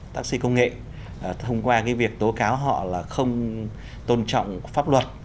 taxi công nghệ thông qua cái việc tố cáo họ là không tôn trọng pháp luật